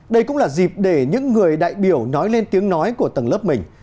đây cũng là dịp để những người đại biểu nói lên tiếng nói của tầng lớp mình